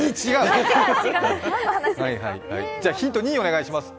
ではヒント２、お願いします。